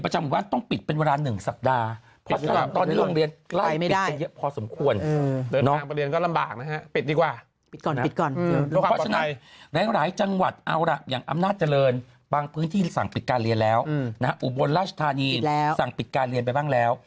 เพราะฉะนั้นหลายจังหวัดเอาล่ะอย่างอำนาจเจริญบางพื้นที่สั่งปิดการเรียนแล้วนะฮะอุบลราชธานีสั่งปิดการเรียนไปบ้างแล้ว